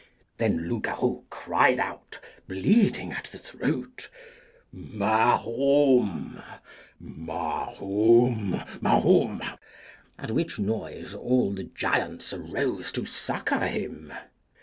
Then Loupgarou cried out, bleeding at the throat, Mahoom, Mahoom, Mahoom! at which noise all the giants arose to succour him.